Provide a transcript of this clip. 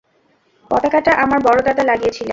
পতাকাটা আমার বড় দাদা লাগিয়েছিলেন।